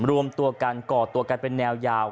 รวมตัวกันก่อตัวกันเป็นแนวยาว